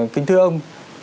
kính thưa ông